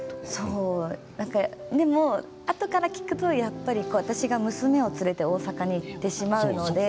でもあとから聞くとやっぱり私が娘を連れて大阪に行ってしまうので。